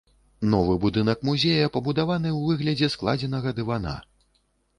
Новы будынак музея пабудаваны ў выглядзе складзенага дывана.